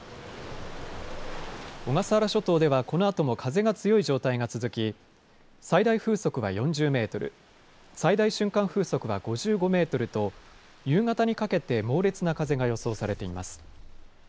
小笠原諸島ではこのあとも風が強い状態が続き最大風速は４０メートル、最大瞬間風速は５５メートルと夕方にかけて猛烈な風が予想されています。